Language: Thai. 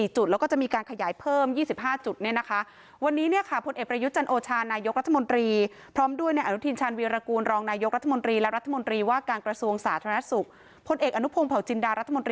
๑๔จุดแล้วก็จะมีการขยายเพิ่ม๒๕จุด